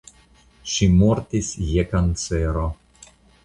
Ŝi mortis je kancero.